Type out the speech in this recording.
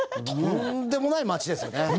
とんでもない街ですよね。